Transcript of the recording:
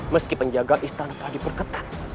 meski penjaga istana telah diperketat